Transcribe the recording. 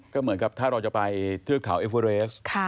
ก็เหมือนกับถ้าเราจะไปเทือกเขาเอเวอเรส